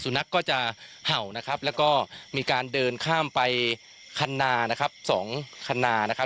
นักก็จะเห่านะครับแล้วก็มีการเดินข้ามไปคันนานะครับสองคันนานะครับ